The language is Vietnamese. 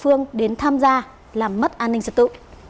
khiến nhiều người địa phương đến tham gia làm mất an ninh sự tụ